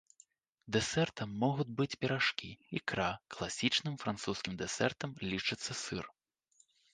Дэсертам могуць быць піражкі, ікра, класічным французскім дэсертам лічыцца сыр.